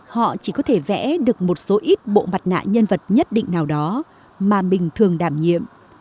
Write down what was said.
họ chỉ có thể vẽ được một số ít bộ mặt nạ nhân vật nhất định nào đó mà mình thường đảm nhiệm